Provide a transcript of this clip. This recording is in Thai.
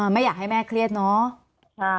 ไม่อยากให้แม่เครียดเนาะ